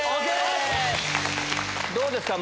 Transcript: どうですか？